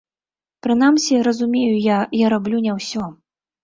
Прынамсі, разумею я, я раблю не ўсё.